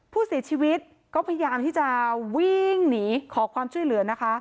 ผู้เสียชีวิตก็พยายามที่จะวิ่งหนีขอความช่วยเหลือนะคะ